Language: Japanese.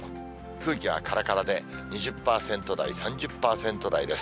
空気がからからで、２０％台、３０％台です。